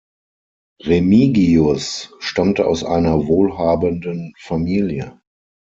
Remigius stammte aus einer wohlhabenden Familie.